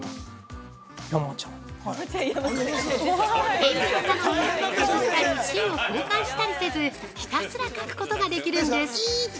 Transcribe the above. ◆鉛筆なのに、削ったり芯を交換したりせずひたすら書くことができるんです。